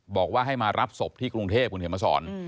บอกว่าให้มารับศพที่กรุงเทพคุณเขียนมาสอน